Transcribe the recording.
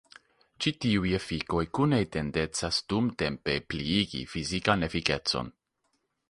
Ĉi tiuj efikoj kune tendencas dumtempe pliigi fizikan efikecon.